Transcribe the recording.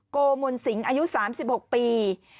โกมนสิงอายุ๓๖ปี